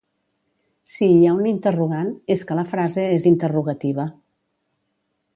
si hi ha un interrogant és que la frase és interrogativa